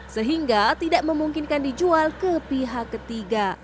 sehingga tidak memungkinkan dijual ke pihak ketiga